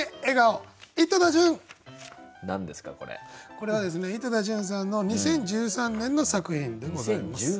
これはですね井戸田潤さんの２０１３年の作品でございます。